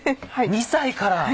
２歳から！